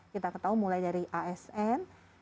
kita ketahui mulai dari asn